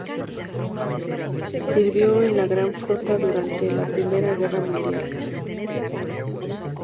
Sirvió en la gran flota durante la Primera Guerra mundial.